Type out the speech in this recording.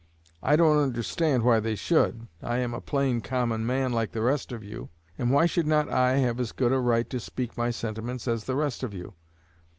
I don't understand why they should. I am a plain, common man, like the rest of you; and why should not I have as good a right to speak my sentiments as the rest of you?